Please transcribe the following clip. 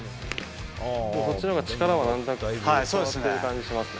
そっちのほうが力はなんとなく伝わってる感じしますよね。